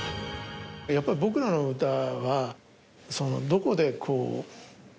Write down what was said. やっぱり僕らの歌はどこで。